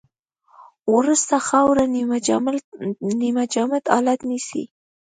وروسته خاوره نیمه جامد حالت نیسي